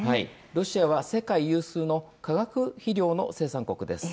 ロシアは世界有数の化学肥料の生産国です。